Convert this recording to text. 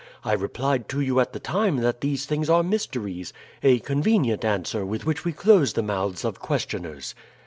I replied to you at the time that these things are mysteries a convenient answer with which we close the mouths of questioners.